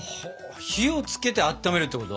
火をつけてあっためるってこと？